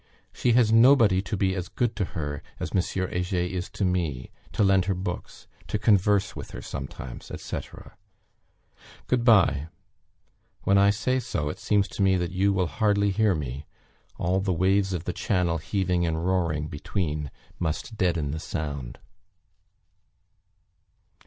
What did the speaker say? She has nobody to be as good to her as M. Heger is to me; to lend her books; to converse with her sometimes, &c. "Good bye. When I say so, it seems to me that you will hardly hear me; all the waves of the Channel heaving and roaring between must deaden the sound."